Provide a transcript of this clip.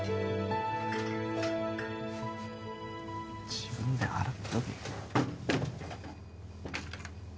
自分で洗っとけよ。